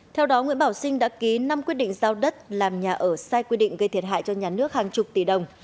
theo đó nguyễn bảo sinh đã ký năm quyết định giao đất làm nhà ở sai quy định gây thiệt hại cho nhà nước hàng chục tỷ đồng